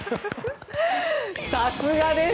さすがです！